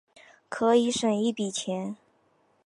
可以省一笔钱